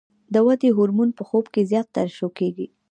د ودې هورمون په خوب کې زیات ترشح کېږي.